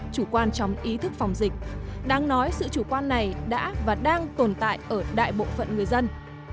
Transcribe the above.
chủ quan trong ý thức phòng dịch đáng nói sự chủ quan này đã và đang tồn tại ở đại bộ phận người dân